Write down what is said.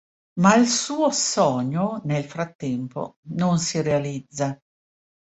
Ma il suo sogno, nel frattempo, non si realizza.